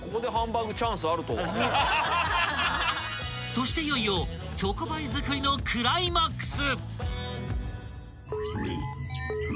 ［そしていよいよチョコパイづくりのクライマックス］